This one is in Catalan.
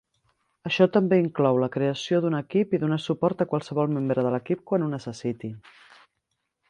Això també inclou la creació d'un equip i donar suport a qualsevol membre de l'equip quan ho necessiti.